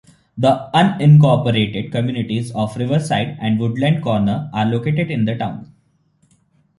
The unincorporated communities of Riverside and Woodland Corner are located in the town.